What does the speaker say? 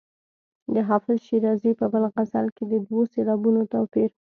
د حافظ شیرازي په بل غزل کې د دوو سېلابونو توپیر.